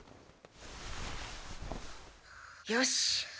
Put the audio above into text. よし。